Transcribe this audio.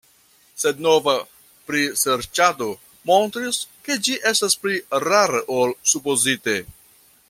Sed nova priserĉado montris, ke ĝi estas pli rara ol supozite.